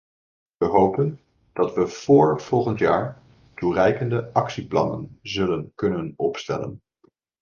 We hopen dat we vóór volgend jaar toereikende actieplannen zullen kunnen opstellen.